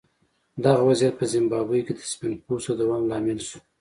دغه وضعیت په زیمبابوې کې د سپین پوستو د دوام لامل شو.